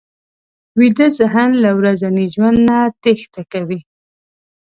ویده ذهن له ورځني ژوند نه تېښته کوي